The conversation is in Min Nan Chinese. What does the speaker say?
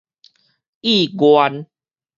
意願